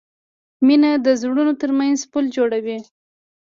مینه د زړونو ترمنځ پُل جوړوي.